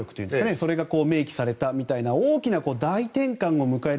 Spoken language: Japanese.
それが明記されたみたいな大きな大転機を迎える。